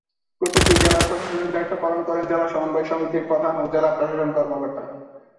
প্রতিটি জেলার প্রশাসনিক দায়িত্ব পালন করেন জেলা সমন্বয় সমিতির প্রধান ও জেলা প্রশাসন কর্মকর্তা।